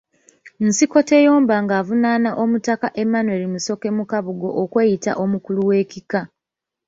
Nsikoteyomba ng'avunaana Omutaka Emmanuel Musoke Makabugo okweyita omukulu w'Ekika.